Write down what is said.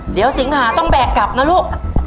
เดี๋ยวสิงหาต้องแบกกลับนะลูก